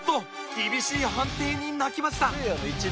厳しい判定に泣きました